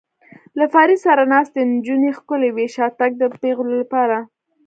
له فرید سره ناستې نجونې ښکلې وې، شاتګ د پېغلو لپاره.